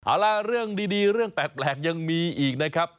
เอาล่ะเรื่องดีเรื่องแปลกยังมีอีกนะครับ